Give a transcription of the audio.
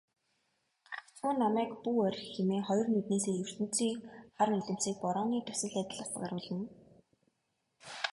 "Гагцхүү намайг бүү орхи" хэмээн хоёр нүднээсээ ертөнцийн хар нулимсыг борооны дусал адил асгаруулна.